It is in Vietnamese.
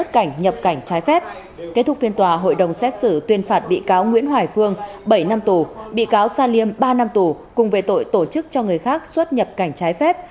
kết thúc phiên tòa hội đồng xét xử tuyên phạt bị cáo nguyễn hoài phương bảy năm tù bị cáo sa liêm ba năm tù cùng về tội tổ chức cho người khác xuất nhập cảnh trái phép